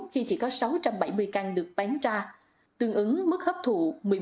khi chỉ có sáu trăm bảy mươi căn được bán ra tương ứng mức hấp thụ một mươi bốn